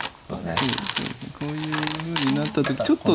こういうふうになった時にちょっと。